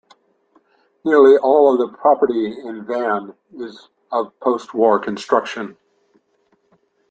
Nearly all of the property in Van is of post war construction.